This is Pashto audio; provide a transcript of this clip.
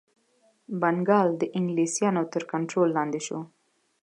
بنګال د انګلیسیانو تر کنټرول لاندي شو.